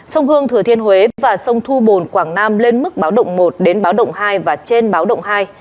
sông hương thừa thiên huế và sông thu bồn quảng nam lên mức báo động một đến báo động hai và trên báo động hai